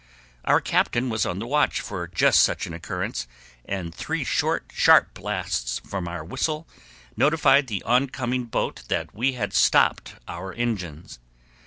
Our captain was on the watch for just such an occurrence, and three short, sharp blasts from our whistle notified the oncoming boat that we had stopped our engines.